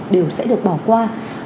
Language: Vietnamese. đều sẽ được bỏ qua